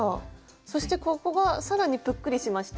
そしてここが更にぷっくりしました。